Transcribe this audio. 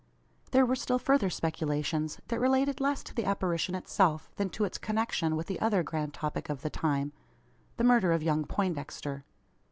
There were still further speculations, that related less to the apparition itself than to its connection with the other grand topic of the time the murder of young Poindexter.